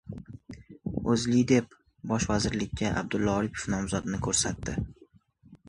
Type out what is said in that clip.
O‘zLiDep bosh vazirlikka Abdulla Aripov nomzodini ko‘rsatdi